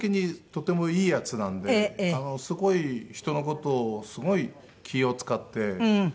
すごい人の事をすごい気を使って。